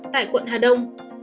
tại quận hà đông